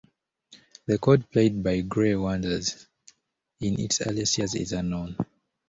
The code played by Cray wanderers in its earliest years is unknown.